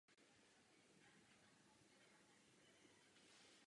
Poté z Krakova odešel.